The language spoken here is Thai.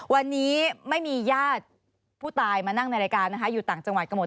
วันนี้ไม่มีญาติผู้ตายมานั่งในรายการนะคะอยู่ต่างจังหวัดกันหมด